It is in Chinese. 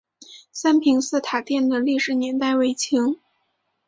三平寺塔殿的历史年代为清。